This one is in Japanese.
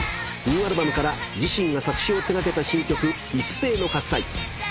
ニューアルバムから自身が作詞を手掛けた新曲『一斉ノ喝采』